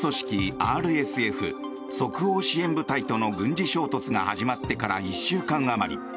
ＲＳＦ・即応支援部隊との軍事衝突が始まってから１週間あまり。